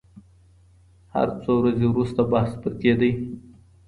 هر څو ورځې وروسته بحث پر کيدی.